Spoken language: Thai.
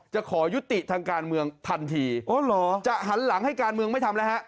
จะขอยุติทางการเมืองทันทีจะหันหลังให้การเมืองไม่ทำแล้ว